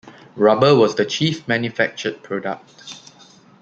Rubber was the chief manufactured product.